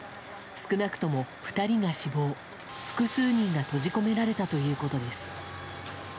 少なくとも２人が死亡複数人が閉じ込められたということです。